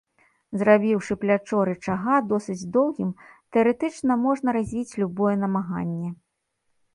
Зрабіўшы плячо рычага досыць доўгім, тэарэтычна, можна развіць любое намаганне.